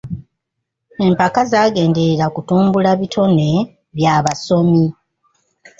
Empaka zaagenderera kutumbula bitone by'abasomi.